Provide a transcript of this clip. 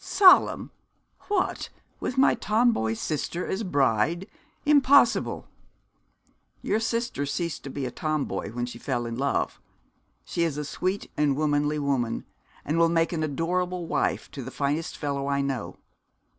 'Solemn! what, with my Tomboy sister as bride! Impossible!' 'Your sister ceased to be a Tomboy when she fell in love. She is a sweet and womanly woman, and will make an adorable wife to the finest fellow I know.